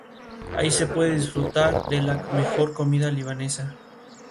Ahí se puede disfrutar de la mejor comida libanesa.